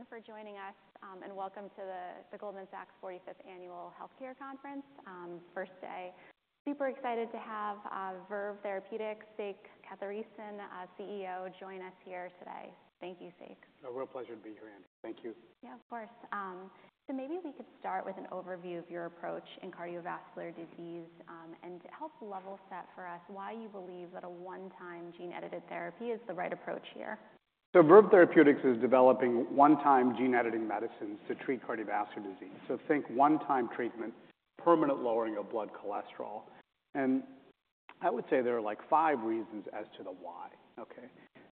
Thanks, everyone, for joining us, and welcome to the Goldman Sachs 45th annual healthcare conference, first day. Super excited to have, Verve Therapeutics, Sekar Kathiresan, CEO, join us here today. Thank you, Sekar. A real pleasure to be here, Andy. Thank you. Yeah, of course. So maybe we could start with an overview of your approach in cardiovascular disease, and to help level set for us why you believe that a one-time gene-edited therapy is the right approach here. So Verve Therapeutics is developing one-time gene-editing medicines to treat cardiovascular disease. Think one-time treatment, permanent lowering of blood cholesterol. And I would say there are like five reasons as to the why, okay?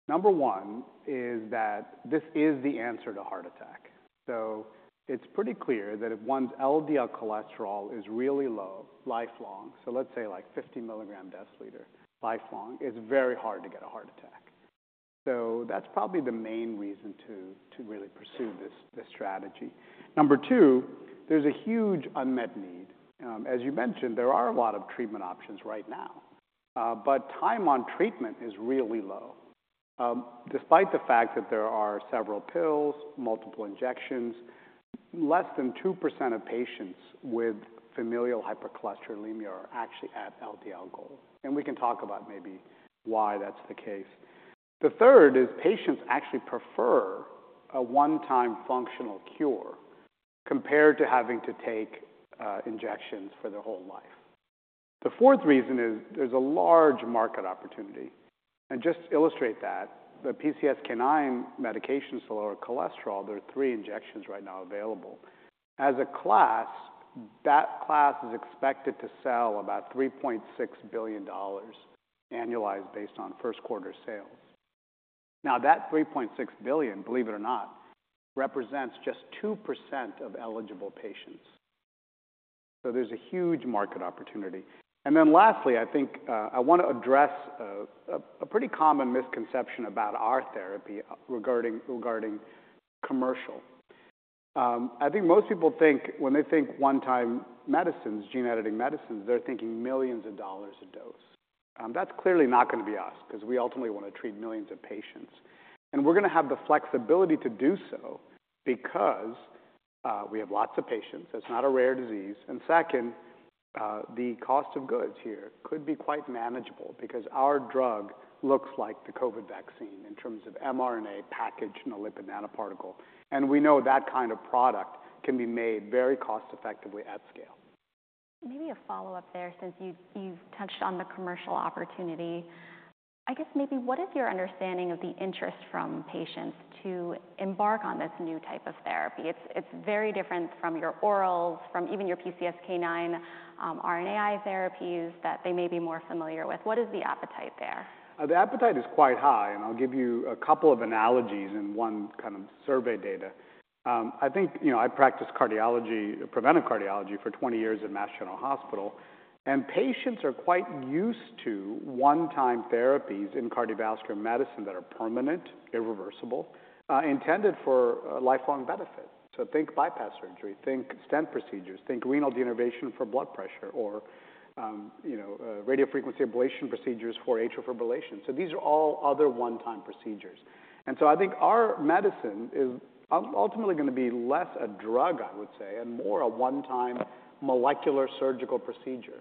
Number one is that this is the answer to heart attack. It's pretty clear that if one's LDL cholesterol is really low, lifelong, so let's say like 50 milligrams deciliter, lifelong, it's very hard to get a heart attack. That's probably the main reason to really pursue this strategy. Number two, there's a huge unmet need. As you mentioned, there are a lot of treatment options right now, but time on treatment is really low. Despite the fact that there are several pills, multiple injections, less than 2% of patients with familial hypercholesterolemia are actually at LDL goal. And we can talk about maybe why that's the case. The third is patients actually prefer a one-time functional cure compared to having to take injections for their whole life. The fourth reason is there's a large market opportunity. And just to illustrate that, the PCSK9 medications to lower cholesterol, there are three injections right now available. As a class, that class is expected to sell about $3.6 billion annualized based on first-quarter sales. Now, that $3.6 billion, believe it or not, represents just 2% of eligible patients. So there's a huge market opportunity. And then lastly, I think, I want to address a pretty common misconception about our therapy regarding commercial. I think most people think when they think one-time medicines, gene-editing medicines, they're thinking millions of dollars a dose. That's clearly not going to be us because we ultimately want to treat millions of patients. And we're going to have the flexibility to do so because we have lots of patients. That's not a rare disease. And second, the cost of goods here could be quite manageable because our drug looks like the COVID vaccine in terms of mRNA packaged in a lipid nanoparticle. And we know that kind of product can be made very cost-effectively at scale. Maybe a follow-up there, since you've touched on the commercial opportunity. I guess maybe what is your understanding of the interest from patients to embark on this new type of therapy? It's very different from your orals, from even your PCSK9, RNAi therapies that they may be more familiar with. What is the appetite there? The appetite is quite high. And I'll give you a couple of analogies in one kind of survey data. I think, you know, I practice cardiology, preventive cardiology for 20 years at Massachusetts General Hospital. And patients are quite used to one-time therapies in cardiovascular medicine that are permanent, irreversible, intended for lifelong benefit. So think bypass surgery, think stent procedures, think renal denervation for blood pressure, or, you know, radiofrequency ablation procedures for atrial fibrillation. So these are all other one-time procedures. And so I think our medicine is ultimately going to be less a drug, I would say, and more a one-time molecular surgical procedure.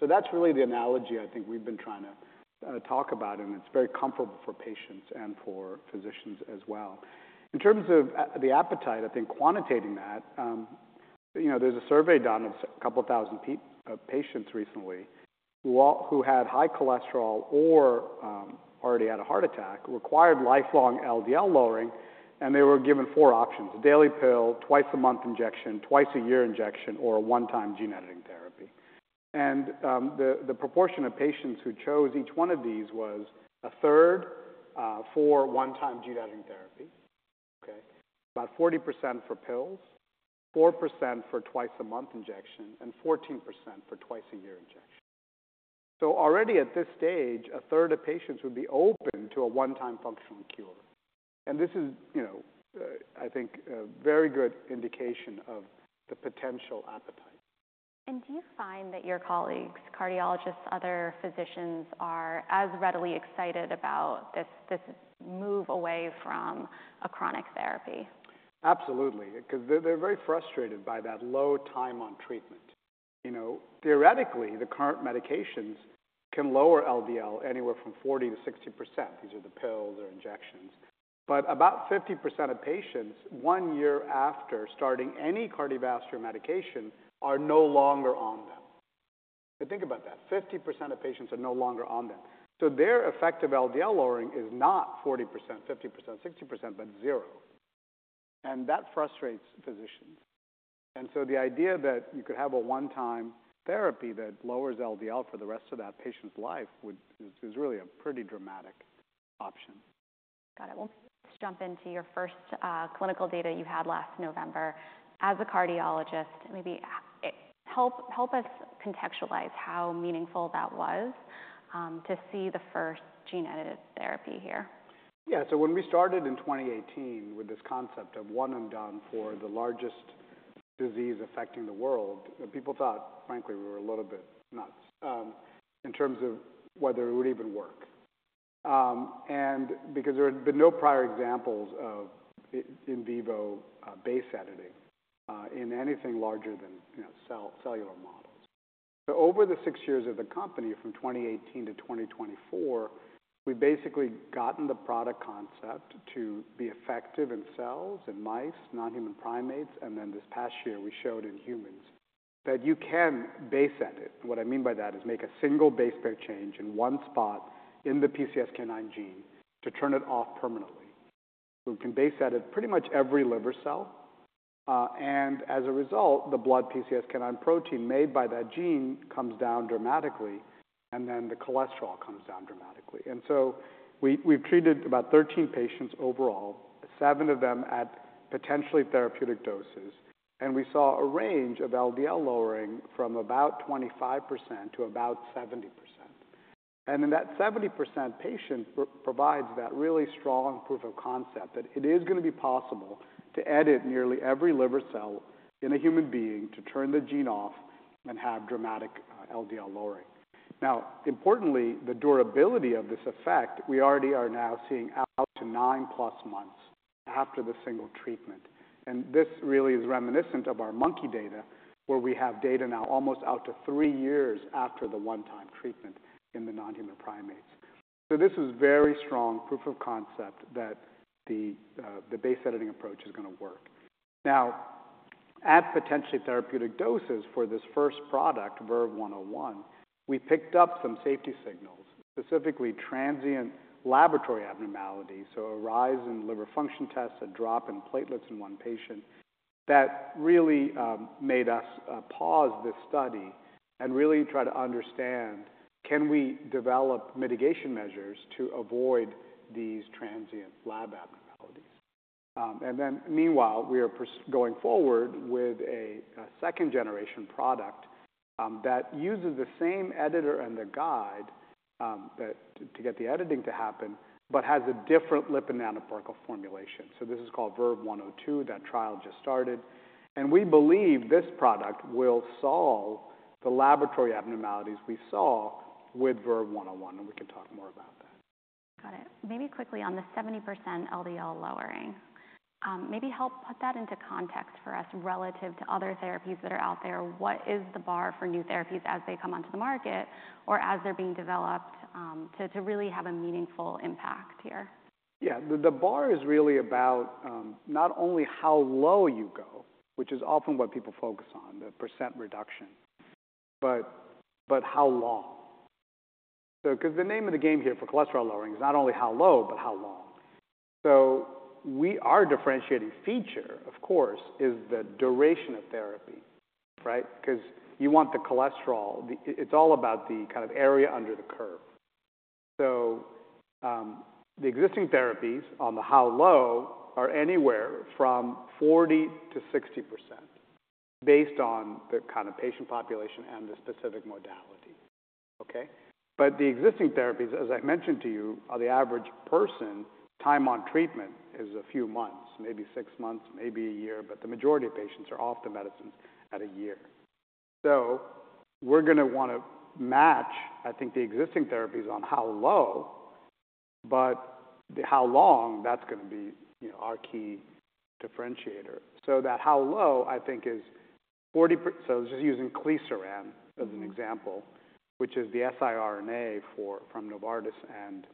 So that's really the analogy I think we've been trying to talk about. And it's very comfortable for patients and for physicians as well. In terms of the appetite, I think quantitating that, you know, there's a survey done of a couple thousand patients recently who had high cholesterol or already had a heart attack, required lifelong LDL lowering. And they were given four options: a daily pill, twice-a-month injection, twice-a-year injection, or a one-time gene-editing therapy. And, the proportion of patients who chose each one of these was a third for one-time gene-editing therapy, okay, about 40% for pills, 4% for twice-a-month injection, and 14% for twice-a-year injection. So already at this stage, a third of patients would be open to a one-time functional cure. And this is, you know, I think, a very good indication of the potential appetite. Do you find that your colleagues, cardiologists, other physicians are as readily excited about this move away from a chronic therapy? Absolutely. Because they're very frustrated by that low time on treatment. You know, theoretically, the current medications can lower LDL anywhere from 40%-60%. These are the pills or injections. But about 50% of patients, one year after starting any cardiovascular medication, are no longer on them. Think about that. 50% of patients are no longer on them. So their effective LDL lowering is not 40%, 50%, 60%, but zero. And that frustrates physicians. And so the idea that you could have a one-time therapy that lowers LDL for the rest of that patient's life would is really a pretty dramatic option. Got it. Well, let's jump into your first clinical data you had last November. As a cardiologist, maybe help us contextualize how meaningful that was, to see the first gene-edited therapy here. Yeah. So when we started in 2018 with this concept of one and done for the largest disease affecting the world, people thought, frankly, we were a little bit nuts, in terms of whether it would even work, and because there had been no prior examples of in vivo base editing, in anything larger than, you know, cellular models. So over the six years of the company, from 2018 to 2024, we've basically gotten the product concept to be effective in cells and mice, non-human primates, and then this past year we showed in humans that you can base edit. And what I mean by that is make a single base pair change in one spot in the PCSK9 gene to turn it off permanently. We can base edit pretty much every liver cell. As a result, the blood PCSK9 protein made by that gene comes down dramatically, and then the cholesterol comes down dramatically. We've treated about 13 patients overall, seven of them at potentially therapeutic doses. We saw a range of LDL lowering from about 25%-70%. In that 70% patient provides that really strong proof of concept that it is going to be possible to edit nearly every liver cell in a human being to turn the gene off and have dramatic LDL lowering. Importantly, the durability of this effect, we already are now seeing out to 9+ months after the single treatment. This really is reminiscent of our monkey data, where we have data now almost out to three years after the one-time treatment in the non-human primates. So this is very strong proof of concept that the, the base editing approach is going to work. Now, at potentially therapeutic doses for this first product, VERVE-101, we picked up some safety signals, specifically transient laboratory abnormalities, so a rise in liver function tests, a drop in platelets in one patient, that really, made us, pause this study and really try to understand, can we develop mitigation measures to avoid these transient lab abnormalities? And then meanwhile, we are going forward with a second-generation product, that uses the same editor and the guide, that to get the editing to happen, but has a different lipid nanoparticle formulation. So this is called VERVE-102. That trial just started. And we believe this product will solve the laboratory abnormalities we saw with VERVE-101. And we can talk more about that. Got it. Maybe quickly on the 70% LDL lowering, maybe help put that into context for us relative to other therapies that are out there. What is the bar for new therapies as they come onto the market or as they're being developed, to really have a meaningful impact here? Yeah. The bar is really about, not only how low you go, which is often what people focus on, the percent reduction, but how long. So because the name of the game here for cholesterol lowering is not only how low, but how long. So our differentiating feature, of course, is the duration of therapy, right? Because you want the cholesterol, it's all about the kind of area under the curve. So, the existing therapies on the how low are anywhere from 40%-60%, based on the kind of patient population and the specific modality, okay? But the existing therapies, as I mentioned to you, for the average person, time on treatment is a few months, maybe six months, maybe a year. But the majority of patients are off the medicines at a year. So we're going to want to match, I think, the existing therapies on how low, but how long, that's going to be, you know, our key differentiator. So that how low, I think, is 40%. So just using inclisiran as an example, which is the siRNA from Novartis and,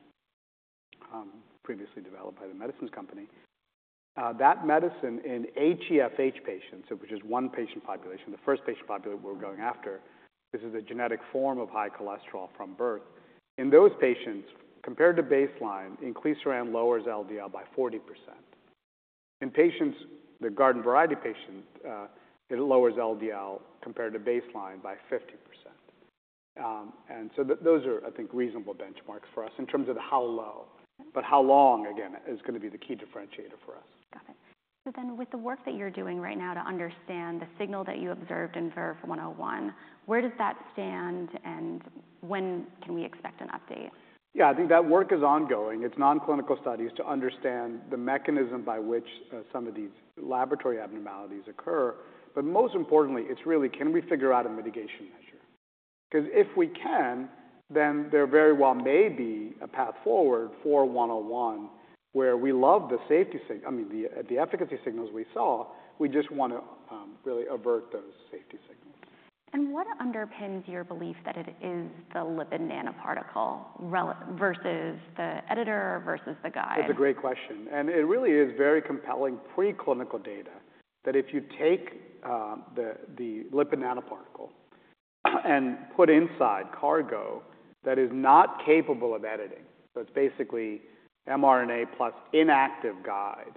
previously developed by The Medicines Company, that medicine in HeFH patients, which is one patient population, the first patient population we're going after, this is a genetic form of high cholesterol from birth. In those patients, compared to baseline, in inclisiran, lowers LDL by 40%. In patients, the garden variety patient, it lowers LDL compared to baseline by 50%. And so those are, I think, reasonable benchmarks for us in terms of the how low. But how long, again, is going to be the key differentiator for us. Got it. So then with the work that you're doing right now to understand the signal that you observed in VERVE-101, where does that stand? And when can we expect an update? Yeah. I think that work is ongoing. It's nonclinical studies to understand the mechanism by which some of these laboratory abnormalities occur. But most importantly, it's really, can we figure out a mitigation measure? Because if we can, then there very well may be a path forward for 101, where we love the safety signal, I mean, the efficacy signals we saw. We just want to, really avert those safety signals. What underpins your belief that it is the lipid nanoparticle versus the editor versus the guide? It's a great question. It really is very compelling preclinical data that if you take the lipid nanoparticle and put inside cargo that is not capable of editing, so it's basically mRNA plus inactive guide,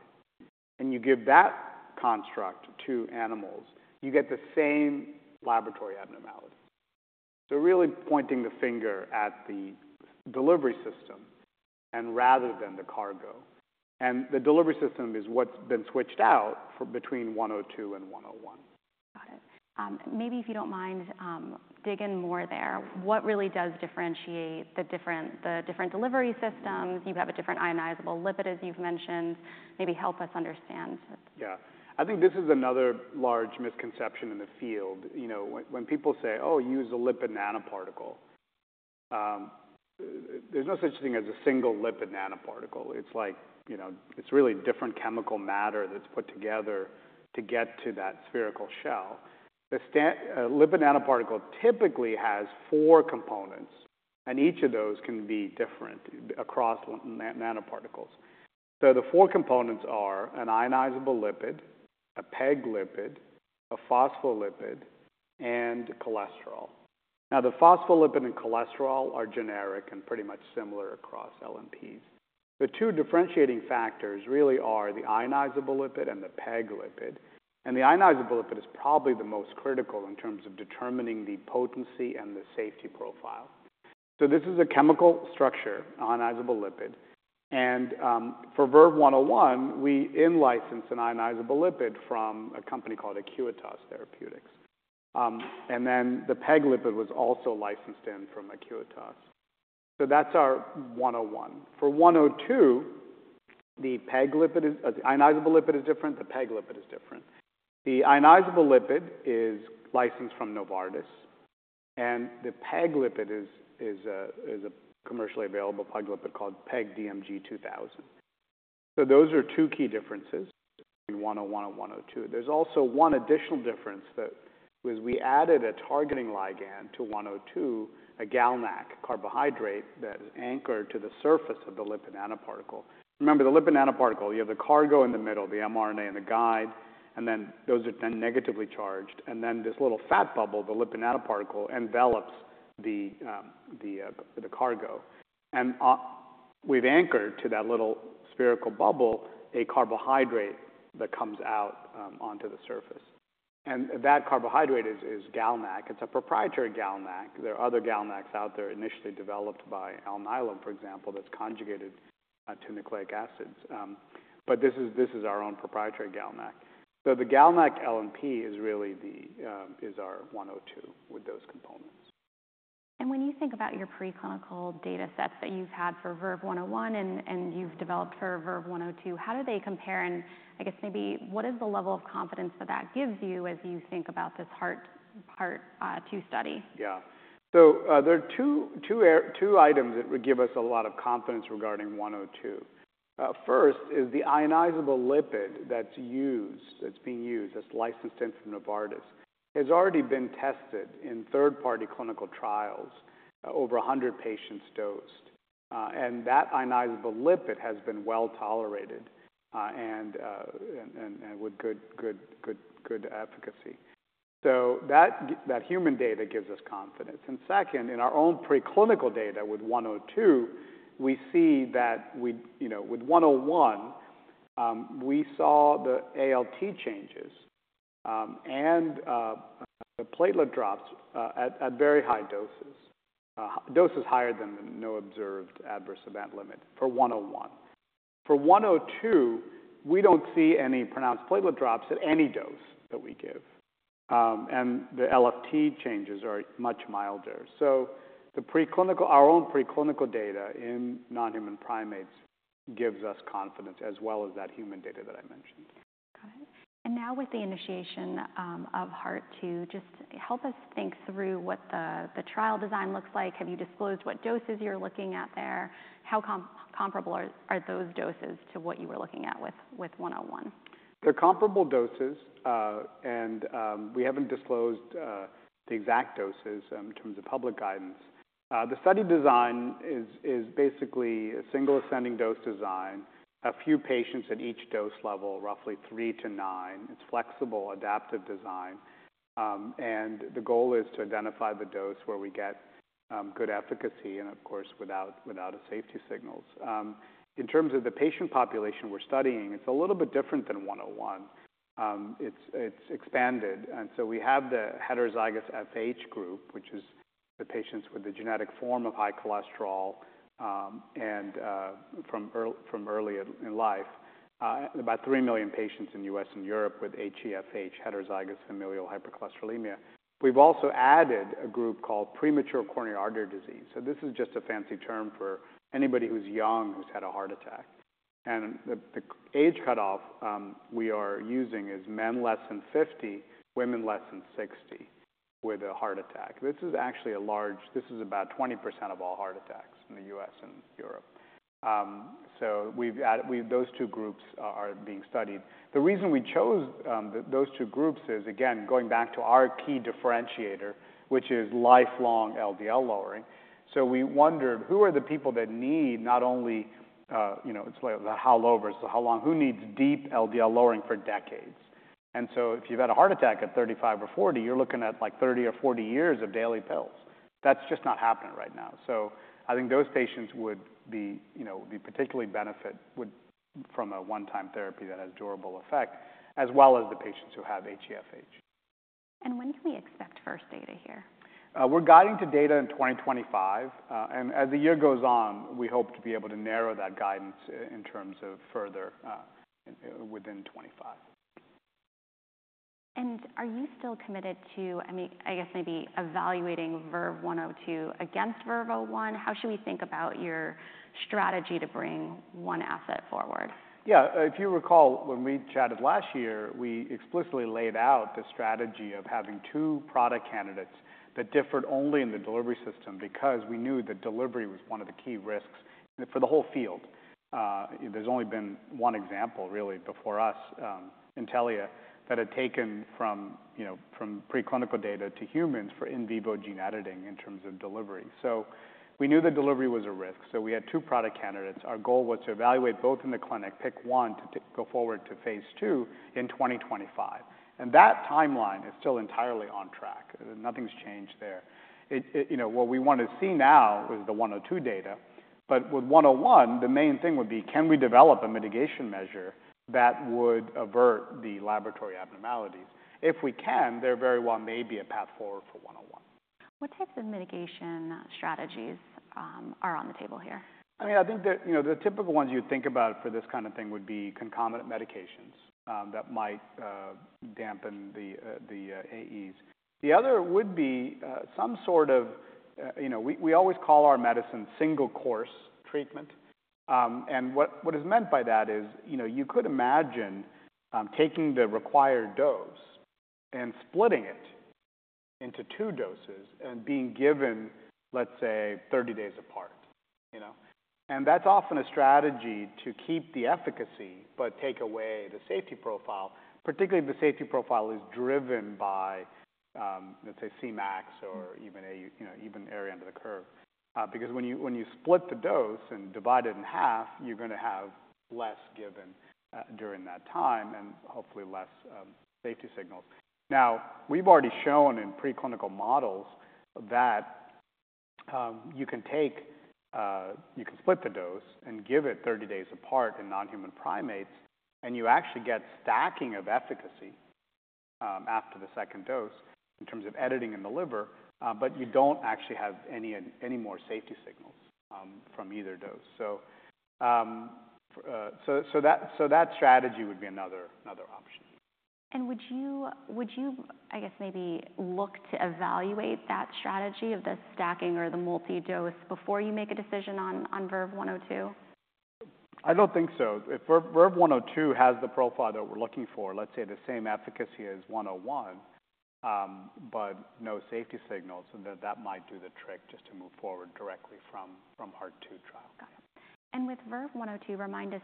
and you give that construct to animals, you get the same laboratory abnormalities. Really pointing the finger at the delivery system and rather than the cargo. The delivery system is what's been switched out for between 102 and 101. Got it. Maybe if you don't mind, digging more there, what really does differentiate the different delivery systems? You have a different ionizable lipid, as you've mentioned. Maybe help us understand. Yeah. I think this is another large misconception in the field. You know, when people say, "Oh, use a lipid nanoparticle," there's no such thing as a single lipid nanoparticle. It's like, you know, it's really different chemical matter that's put together to get to that spherical shell. The lipid nanoparticle typically has four components, and each of those can be different across nanoparticles. So the four components are an ionizable lipid, a PEG lipid, a phospholipid, and cholesterol. Now, the phospholipid and cholesterol are generic and pretty much similar across LNPs. The two differentiating factors really are the ionizable lipid and the peg lipid. And the ionizable lipid is probably the most critical in terms of determining the potency and the safety profile. So this is a chemical structure, ionizable lipid. And, for VERVE-101, we in-licensed an ionizable lipid from a company called Acuitas Therapeutics. And then the PEG lipid was also licensed in from Acuitas. So that's our 101. For 102, the PEG lipid is ionizable lipid is different. The PEG lipid is different. The ionizable lipid is licensed from Novartis. And the PEG lipid is a commercially available PEG lipid called PEG-DMG 2000. So those are two key differences between 101 and 102. There's also one additional difference: we added a targeting ligand to 102, a GalNAc carbohydrate that is anchored to the surface of the lipid nanoparticle. Remember, the lipid nanoparticle, you have the cargo in the middle, the mRNA and the guide, and then those are negatively charged. And then this little fat bubble, the lipid nanoparticle, envelops the cargo. And we've anchored to that little spherical bubble a carbohydrate that comes out onto the surface. And that carbohydrate is GalNAc. It's a proprietary GalNAc. There are other GalNAcs out there initially developed by Alnylam, for example, that's conjugated to nucleic acids. But this is our own proprietary GalNAc. So the GalNAc LNP is really our 102 with those components. When you think about your preclinical data sets that you've had for VERVE-101 and you've developed for VERVE-102, how do they compare? And I guess maybe what is the level of confidence that that gives you as you think about this Heart-2 study? Yeah. So, there are two items that would give us a lot of confidence regarding 102. First is the ionizable lipid that's used that's being used, that's licensed in from Novartis, has already been tested in third-party clinical trials, over 100 patients dosed. And that ionizable lipid has been well tolerated, and with good efficacy. So that human data gives us confidence. And second, in our own preclinical data with 102, we see that we, you know, with 101, we saw the ALT changes, and the platelet drops, at very high doses, doses higher than the no-observed adverse event limit for 101. For 102, we don't see any pronounced platelet drops at any dose that we give. And the LFT changes are much milder. Our own preclinical data in non-human primates gives us confidence as well as that human data that I mentioned. Got it. And now with the initiation of Heart-2, just help us think through what the trial design looks like. Have you disclosed what doses you're looking at there? How comparable are those doses to what you were looking at with 101? They're comparable doses. We haven't disclosed the exact doses in terms of public guidance. The study design is basically a single ascending dose design, a few patients at each dose level, roughly three-nine. It's flexible, adaptive design. The goal is to identify the dose where we get good efficacy and, of course, without the safety signals. In terms of the patient population we're studying, it's a little bit different than 101. It's expanded. We have the heterozygous FH group, which is the patients with the genetic form of high cholesterol from early in life, about 3 million patients in the U.S. and Europe with HeFH, heterozygous familial hypercholesterolemia. We've also added a group called premature coronary artery disease. This is just a fancy term for anybody who's young who's had a heart attack. The age cutoff we are using is men less than 50, women less than 60 with a heart attack. This is actually a large. This is about 20% of all heart attacks in the U.S. and Europe. So we've added those two groups are being studied. The reason we chose those two groups is, again, going back to our key differentiator, which is lifelong LDL lowering. So we wondered, who are the people that need not only, you know, it's like the how low versus how long, who needs deep LDL lowering for decades? So if you've had a heart attack at 35 or 40, you're looking at like 30 or 40 years of daily pills. That's just not happening right now. So I think those patients would be, you know, particularly benefit from a one-time therapy that has durable effect, as well as the patients who have HeFH. When can we expect first data here? We're guiding to data in 2025. As the year goes on, we hope to be able to narrow that guidance in terms of further, within 25. Are you still committed to, I mean, I guess maybe evaluating VERVE-102 against VERVE-101? How should we think about your strategy to bring one asset forward? Yeah. If you recall, when we chatted last year, we explicitly laid out the strategy of having two product candidates that differed only in the delivery system because we knew that delivery was one of the key risks for the whole field. There's only been one example, really, before us, Intellia, that had taken from, you know, from preclinical data to humans for in vivo gene editing in terms of delivery. So we knew that delivery was a risk. So we had two product candidates. Our goal was to evaluate both in the clinic, pick one to go forward to phase two in 2025. That timeline is still entirely on track. Nothing's changed there. You know, what we want to see now is the 102 data. But with 101, the main thing would be, can we develop a mitigation measure that would avert the laboratory abnormalities? If we can, there very well may be a path forward for 101. What types of mitigation strategies are on the table here? I mean, I think that, you know, the typical ones you'd think about for this kind of thing would be concomitant medications that might dampen the AEs. The other would be some sort of, you know, we always call our medicine single-course treatment, and what is meant by that is, you know, you could imagine taking the required dose and splitting it into two doses and being given, let's say, 30 days apart, you know? And that's often a strategy to keep the efficacy but take away the safety profile, particularly if the safety profile is driven by, let's say, Cmax or even a, you know, even area under the curve, because when you split the dose and divide it in half, you're going to have less given during that time and hopefully less safety signals. Now, we've already shown in preclinical models that you can split the dose and give it 30 days apart in non-human primates, and you actually get stacking of efficacy after the second dose in terms of editing in the liver. But you don't actually have any more safety signals from either dose. So that strategy would be another option. And would you, I guess, maybe look to evaluate that strategy of the stacking or the multi-dose before you make a decision on VERVE-102? I don't think so. If VERVE-102 has the profile that we're looking for, let's say the same efficacy as 101, but no safety signals, then that might do the trick just to move forward directly from Heart-2 trial. Got it. And with VERVE-102, remind us,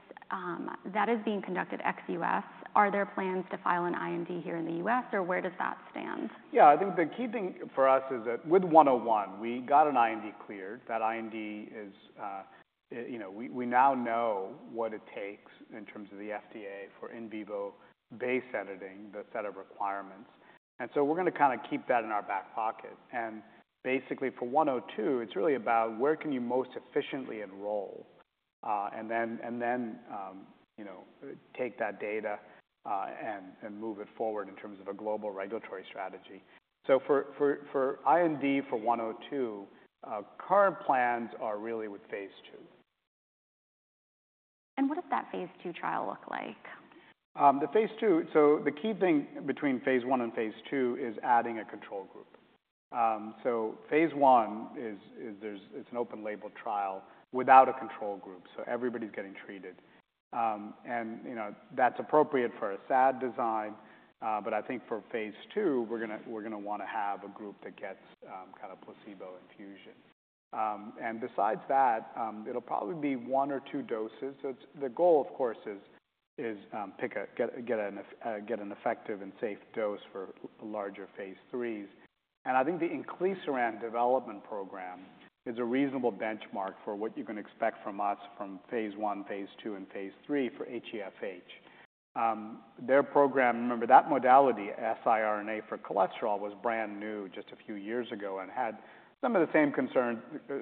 that is being conducted ex-U.S. Are there plans to file an IND here in the U.S., or where does that stand? Yeah. I think the key thing for us is that with 101, we got an IND cleared. That IND is, you know, we now know what it takes in terms of the FDA for in vivo base editing, the set of requirements. And so we're going to kind of keep that in our back pocket. And basically, for 102, it's really about where can you most efficiently enroll, and then, you know, take that data, and move it forward in terms of a global regulatory strategy. So for IND for 102, current plans are really with phase two. What does that phase ll trial look like? The phase two, so the key thing between phase one and phase two is adding a control group. So phase one is an open-label trial without a control group. So everybody's getting treated. And, you know, that's appropriate for a SAD design. But I think for phase two, we're going to want to have a group that gets kind of placebo infusion. And besides that, it'll probably be one or two doses. So the goal, of course, is to pick an effective and safe dose for larger phase threes. And I think the inclisiran development program is a reasonable benchmark for what you're going to expect from us from phase one, phase two, and phase three for HeFH. Their program, remember, that modality, siRNA for cholesterol, was brand new just a few years ago and had some of the same concerns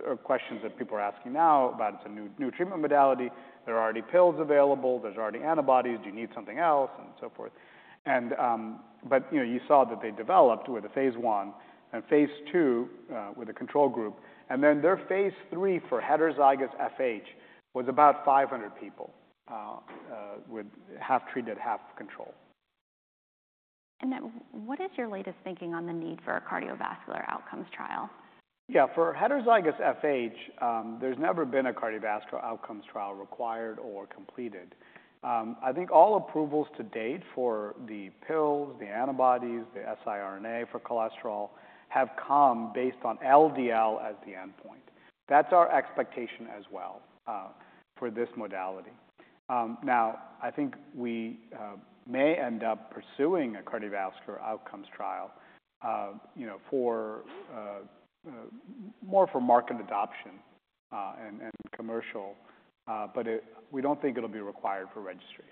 or questions that people are asking now about it's a new new treatment modality. There are already pills available. There's already antibodies. Do you need something else? And so forth. But, you know, you saw that they developed with a phase l and phase ll with a control group. Then their phase lll for heterozygous FH was about 500 people, with half treated, half control. What is your latest thinking on the need for a cardiovascular outcomes trial? Yeah. For heterozygous FH, there's never been a cardiovascular outcomes trial required or completed. I think all approvals to date for the pills, the antibodies, the siRNA for cholesterol have come based on LDL as the endpoint. That's our expectation as well, for this modality. Now, I think we may end up pursuing a cardiovascular outcomes trial, you know, for more for market adoption, and commercial. But it we don't think it'll be required for registration.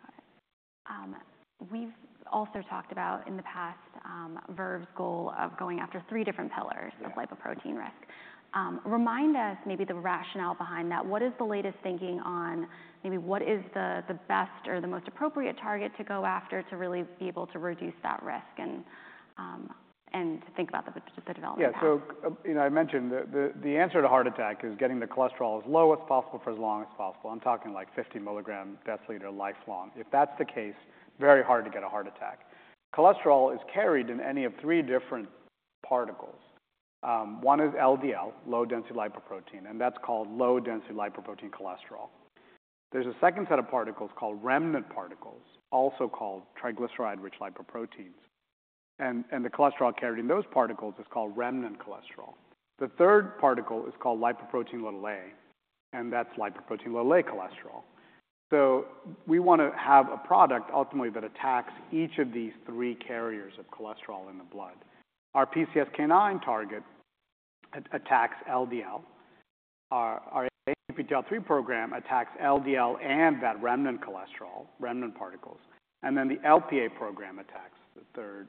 Got it. We've also talked about in the past, Verve's goal of going after three different pillars of lipoprotein risk. Remind us maybe the rationale behind that. What is the latest thinking on maybe what is the best or the most appropriate target to go after to really be able to reduce that risk and to think about the development of that? Yeah. So, you know, I mentioned that the answer to heart attack is getting the cholesterol as low as possible for as long as possible. I'm talking like 50 mg/dL lifelong. If that's the case, very hard to get a heart attack. Cholesterol is carried in any of three different particles. One is LDL, low-density lipoprotein, and that's called low-density lipoprotein cholesterol. There's a second set of particles called remnant particles, also called triglyceride-rich lipoproteins. And the cholesterol carried in those particles is called remnant cholesterol. The third particle is called lipoprotein(a), and that's lipoprotein(a) cholesterol. So we want to have a product ultimately that attacks each of these three carriers of cholesterol in the blood. Our PCSK9 target attacks LDL. Our ANGPTL3 program attacks LDL and that remnant cholesterol, remnant particles. And then the LPA program attacks the third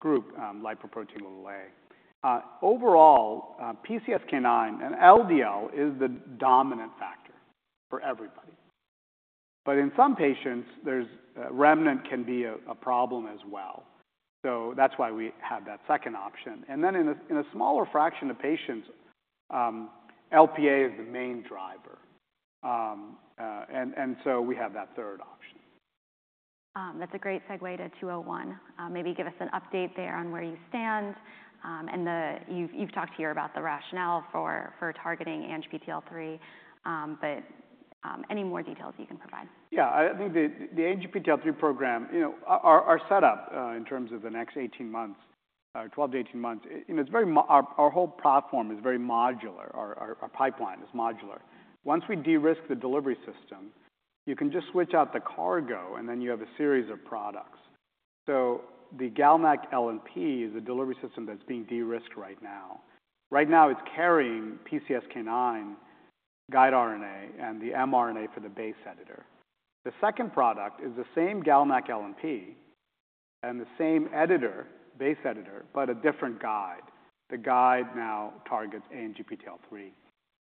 group, lipoprotein(a). Overall, PCSK9 and LDL is the dominant factor for everybody. But in some patients, there's remnant can be a problem as well. So that's why we have that second option. And then in a smaller fraction of patients, LPA is the main driver. And so we have that third option. That's a great segue to 201. Maybe give us an update there on where you stand. And you've talked here about the rationale for targeting ANGPTL3. But, any more details you can provide? Yeah. I think the ANGPTL3 program, you know, our setup, in terms of the next 18 months, 12-18 months, you know, it's very. Our whole platform is very modular. Our pipeline is modular. Once we de-risk the delivery system, you can just switch out the cargo, and then you have a series of products. So the GalNAc LNP is a delivery system that's being de-risked right now. Right now, it's carrying PCSK9 guide RNA and the mRNA for the base editor. The second product is the same GalNAc LNP and the same base editor, but a different guide. The guide now targets ANGPTL3.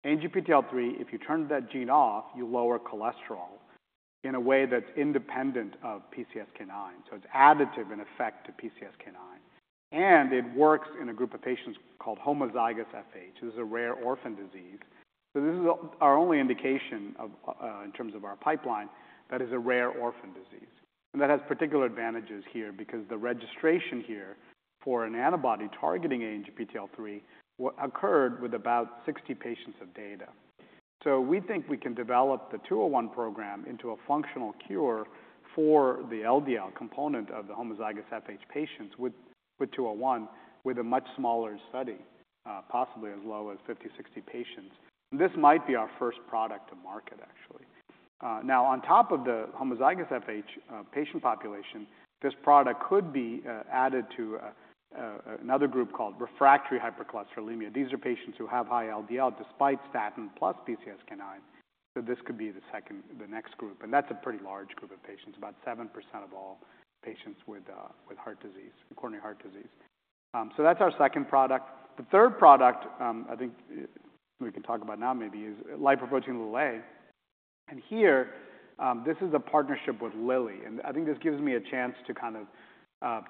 ANGPTL3, if you turn that gene off, you lower cholesterol in a way that's independent of PCSK9. So it's additive in effect to PCSK9. And it works in a group of patients called homozygous FH. This is a rare orphan disease. So this is our only indication of, in terms of our pipeline that is a rare orphan disease. And that has particular advantages here because the registration here for an antibody targeting ANGPTL3 occurred with about 60 patients of data. So we think we can develop the 201 program into a functional cure for the LDL component of the homozygous FH patients with 201 with a much smaller study, possibly as low as 50-60 patients. And this might be our first product to market, actually. Now, on top of the homozygous FH patient population, this product could be added to another group called refractory hypercholesterolemia. These are patients who have high LDL despite statin plus PCSK9. So this could be the second the next group. That's a pretty large group of patients, about 7% of all patients with, with heart disease, coronary heart disease. So that's our second product. The third product, I think we can talk about now maybe is lipoprotein little a. And here, this is a partnership with Lilly. And I think this gives me a chance to kind of,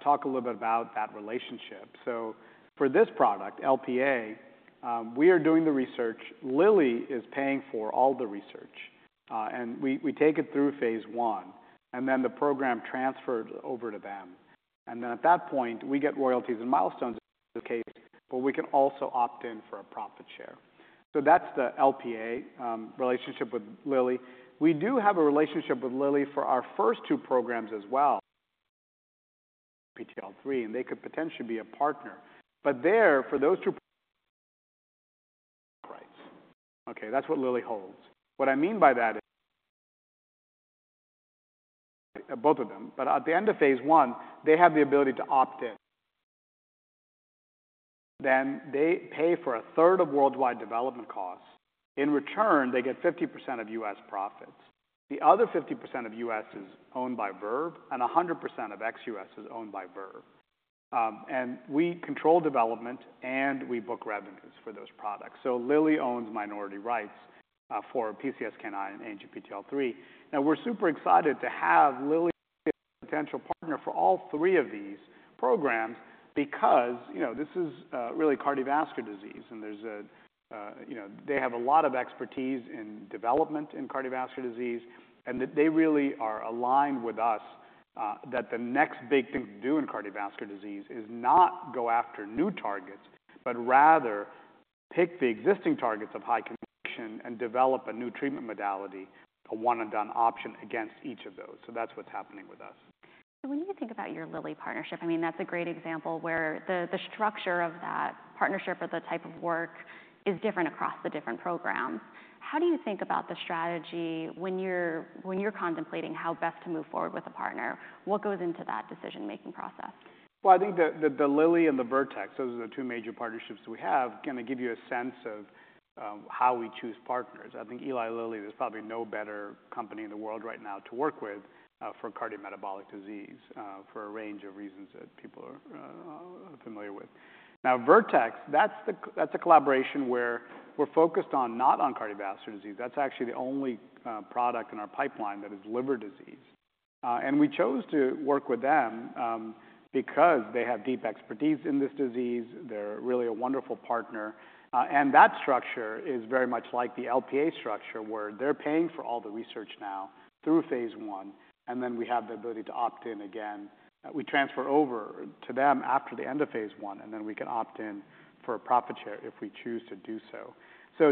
talk a little bit about that relationship. So for this product, LPA, we are doing the research. Lilly is paying for all the research. and we we take it through phase one, and then the program transferred over to them. And then at that point, we get royalties and milestones in this case, but we can also opt in for a profit share. So that's the LPA relationship with Lilly. We do have a relationship with Lilly for our first two programs as well, ANGPTL3, and they could potentially be a partner. But there, for those two rights, okay, that's what Lilly holds. What I mean by that is both of them. But at the end of phase one, they have the ability to opt in. Then they pay for a third of worldwide development costs. In return, they get 50% of U.S. profits. The other 50% of U.S. is owned by Verve, and 100% of ex-U.S. is owned by Verve, and we control development, and we book revenues for those products. So Lilly owns minority rights, for PCSK9 and ANGPTL3. Now, we're super excited to have Lilly as a potential partner for all three of these programs because, you know, this is really cardiovascular disease, and there's a, you know, they have a lot of expertise in development in cardiovascular disease, and that they really are aligned with us, that the next big thing to do in cardiovascular disease is not go after new targets, but rather pick the existing targets of high conviction and develop a new treatment modality, a one-and-done option against each of those. So that's what's happening with us. So when you think about your Lilly partnership, I mean, that's a great example where the structure of that partnership or the type of work is different across the different programs. How do you think about the strategy when you're contemplating how best to move forward with a partner? What goes into that decision-making process? Well, I think the Lilly and the Vertex, those are the two major partnerships we have, going to give you a sense of, how we choose partners. I think Eli Lilly is probably no better company in the world right now to work with, for cardiometabolic disease, for a range of reasons that people are, familiar with. Now, Vertex, that's a collaboration where we're focused on not on cardiovascular disease. That's actually the only, product in our pipeline that is liver disease. And we chose to work with them, because they have deep expertise in this disease. They're really a wonderful partner. And that structure is very much like the LPA structure where they're paying for all the research now through phase one, and then we have the ability to opt in again. We transfer over to them after the end of phase one, and then we can opt in for a profit share if we choose to do so.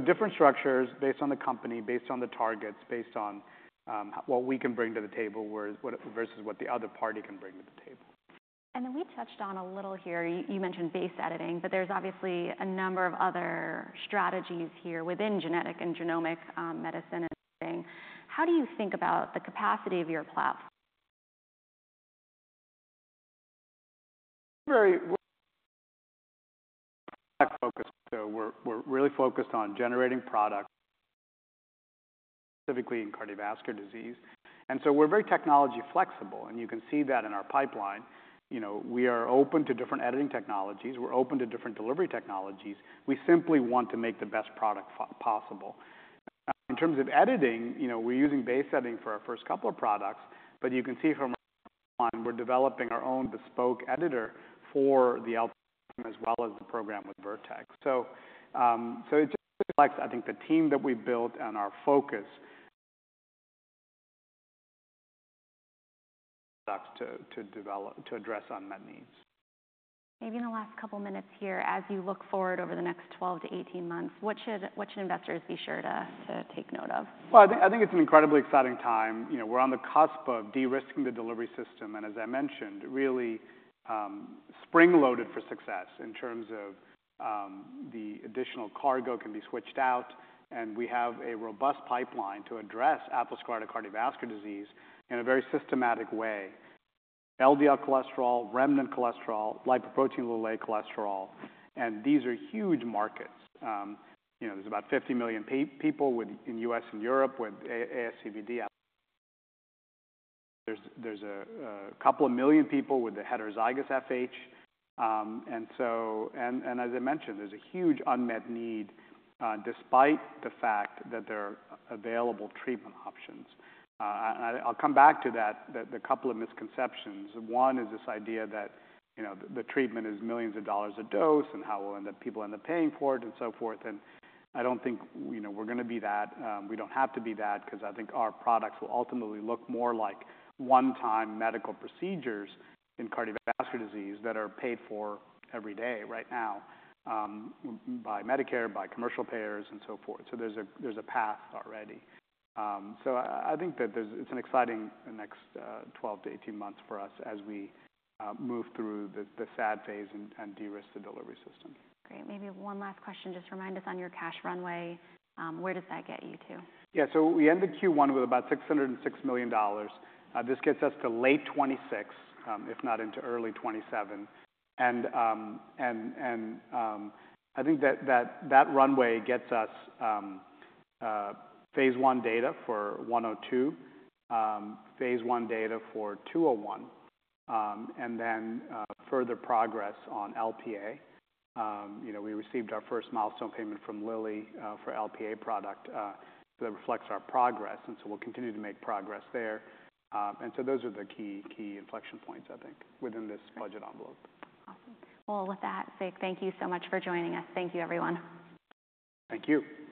Different structures based on the company, based on the targets, based on what we can bring to the table versus what the other party can bring to the table. Then we touched on a little here. You mentioned base editing, but there's obviously a number of other strategies here within genetic and genomic medicine and editing. How do you think about the capacity of your platform? Very focused. So we're really focused on generating product, typically in cardiovascular disease. And so we're very technology flexible. And you can see that in our pipeline. You know, we are open to different editing technologies. We're open to different delivery technologies. We simply want to make the best product possible. In terms of editing, you know, we're using base editing for our first couple of products. But you can see that we're developing our own bespoke editor for the LPA as well as the program with Vertex. So it just reflects, I think, the team that we've built and our focus to develop to address unmet needs. Maybe in the last couple of minutes here, as you look forward over the next 12-18 months, what should investors be sure to take note of? Well, I think I think it's an incredibly exciting time. You know, we're on the cusp of de-risking the delivery system. And as I mentioned, really, spring-loaded for success in terms of, the additional cargo can be switched out. And we have a robust pipeline to address atherosclerotic cardiovascular disease in a very systematic way. LDL cholesterol, remnant cholesterol, lipoprotein(a) cholesterol. And these are huge markets. You know, there's about 50 million people within the U.S. and Europe with ASCVD. There's a couple of million people with the heterozygous FH. And so as I mentioned, there's a huge unmet need, despite the fact that there are available treatment options. And I'll come back to that, the couple of misconceptions. One is this idea that, you know, the treatment is $ millions a dose and how will people end up paying for it and so forth. And I don't think, you know, we're going to be that. We don't have to be that because I think our products will ultimately look more like one-time medical procedures in cardiovascular disease that are paid for every day right now, by Medicare, by commercial payers and so forth. So there's a path already. So I think that it's an exciting next 12-18 months for us as we move through the SAD phase and de-risk the delivery system. Great. Maybe one last question. Just remind us on your cash runway. Where does that get you to? Yeah. So we ended Q1 with about $606 million. This gets us to late 2026, if not into early 2027. And, I think that runway gets us phase 1 data for 102, phase 1 data for 201, and then further progress on LPA. You know, we received our first milestone payment from Lilly for LPA product that reflects our progress. And so we'll continue to make progress there. And so those are the key inflection points, I think, within this budget envelope. Awesome. Well, with that, thank you so much for joining us. Thank you, everyone. Thank you.